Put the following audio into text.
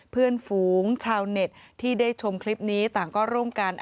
เพื่อนฝูงชาวเน็ตที่ได้ชมคลิปนี้ต่างก็ร่วมกัน